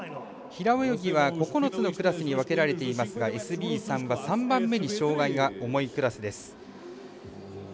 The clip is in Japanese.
平泳ぎは９つのクラスに分けられていますがＳＢ３は３番目に障がいが重いクラスです。